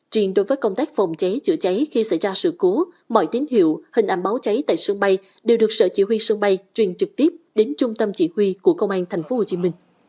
truyền đối với công tác phòng cháy chữa cháy khi xảy ra sự cố mọi tín hiệu hình ảnh báo cháy tại sân bay đều được sở chỉ huy sân bay truyền trực tiếp đến trung tâm chỉ huy của công an tp hcm